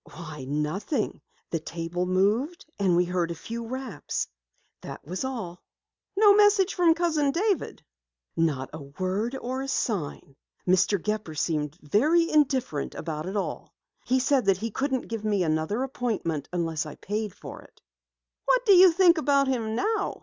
"Why, nothing. The table moved and we heard a few raps. That was all." "No message from Cousin David?" "Not a word or a sign. Mr. Gepper seemed very indifferent about it all. He said he couldn't give me another appointment unless I paid for it." "What do you think about him now?"